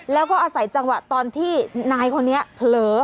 แล้วก็อาศัยจังหวะตอนที่นายคนนี้เผลอ